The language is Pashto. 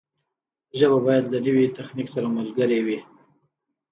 ژبه باید له نوي تخنیک سره ملګرې وي.